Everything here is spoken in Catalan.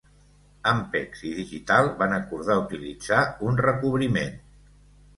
Ampex i Digital van acordar utilitzar un recobriment.